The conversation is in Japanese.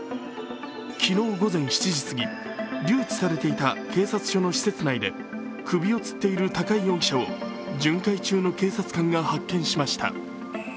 昨日午前７時すぎ、留置されていた警察署の施設内で首をつっている高井容疑者を巡回中の警察官が発見しました。